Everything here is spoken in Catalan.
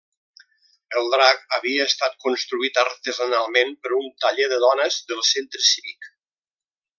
El drac havia estat construït artesanalment per un taller de dones del Centre Cívic.